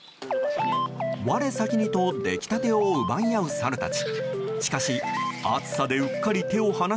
我先にと出来たてを奪い合うサルたち。